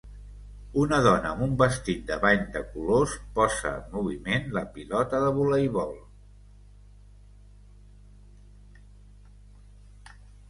Una dona amb un vestit de bany de colors, posa en moviment la pilota de voleibol.